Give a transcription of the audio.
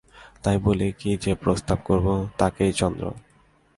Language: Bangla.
তাই বলেই কি যে প্রস্তাব করবে তাকেই– চন্দ্র।